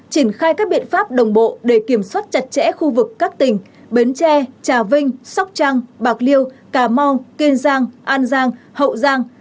triển khai các biện pháp đồng bộ để kiểm soát chặt chẽ khu vực các tỉnh bến tre trà vinh sóc trăng bạc liêu cà mau kiên giang an giang hậu giang